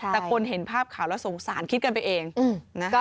แต่คนเห็นภาพข่าวแล้วสงสารคิดกันไปเองนะ